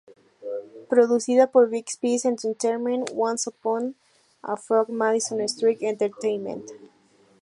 Producida por Bix Pix Entertainment, Once Upon a Frog y Madison Street Entertainment.